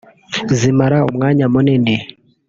zimara umwanya munini